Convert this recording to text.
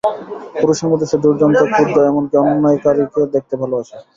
পুরুষের মধ্যে সে দুর্দান্ত, ক্রুদ্ধ, এমন-কি, অন্যায়কারীকে দেখতে ভালোবাসে।